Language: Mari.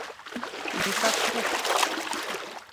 «Никак нет».